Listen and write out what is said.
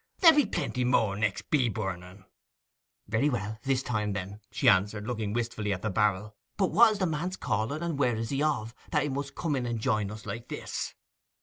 There'll be plenty more next bee burning.' 'Very well—this time, then,' she answered, looking wistfully at the barrel. 'But what is the man's calling, and where is he one of; that he should come in and join us like this?